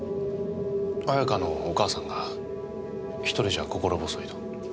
綾香のお母さんが一人じゃ心細いと。